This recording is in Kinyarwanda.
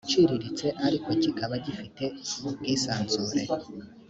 iciriritse ariko kikaba gifite ubwisanzure